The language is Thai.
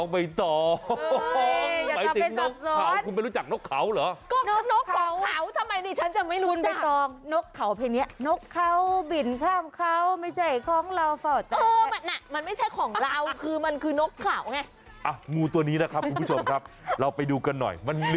บิบโค้กกี้จงแม้เยี่ยมช่วย